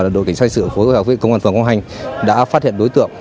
đội cảnh sát hình sự phối hợp với công an phường quang hành đã phát hiện đối tượng